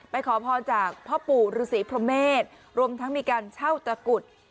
ขอพรจากพ่อปู่ฤษีพระเมษรวมทั้งมีการเช่าตะกุด